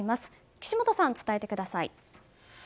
岸本さん、伝えてください。